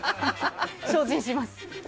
精進します。